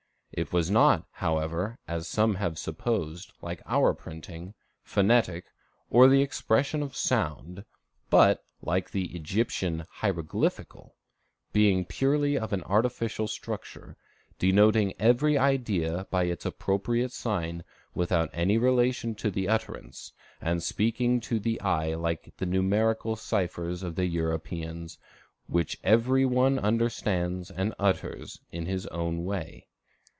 It was not, however, as some have supposed, like our printing, phonetic, or the expression of sound, but, like the Egyptian, hieroglyphical; being purely of an artificial structure, denoting every idea by its appropriate sign without any relation to the utterance, and speaking to the eye like the numerical ciphers of the Europeans, which every one understands and utters in his own way.